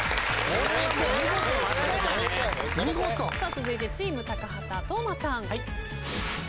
続いてチーム高畑當間さん。